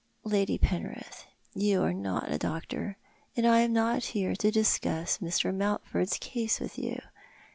" Lady Penrith, you are not a doctor, and I am not here to discuss Mr. Mountford's case with you.